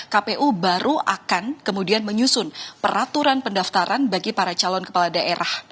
kpu baru akan kemudian menyusun peraturan pendaftaran bagi para calon kepala daerah